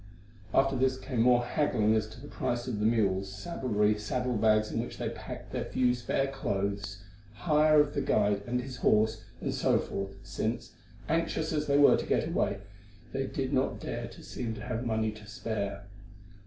After this came more haggling as to the price of the mules, saddlery, saddle bags in which they packed their few spare clothes, hire of the guide and his horse, and so forth, since, anxious as they were to get away, they did not dare to seem to have money to spare.